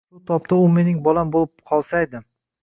Shu tobda u mening bolam bo`lib qolsaydi